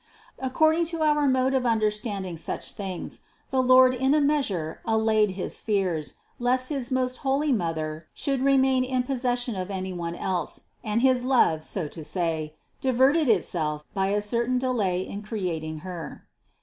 According to our mode of understanding such things, the Lord in a measure allayed his fears, lest his most holy Mother should remain in possession of any one else, and his love so to say, diverted itself by a cer tain delay in creating Her.